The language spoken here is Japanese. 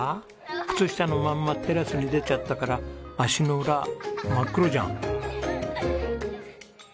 靴下のままテラスに出ちゃったから足の裏真っ黒じゃん。